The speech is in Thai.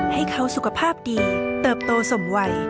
ให้เขาสุขภาพดีเติบโตสมวัย